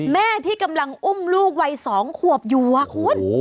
แม่ที่กำลังอุ้มลูกวัย๒ขวบอยู่คุณ